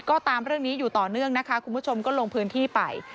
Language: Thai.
ก็ตามเรื่องนี้อยู่ต่อเนื่องนะคะคุณผู้ชมก็ลงพื้นที่ไป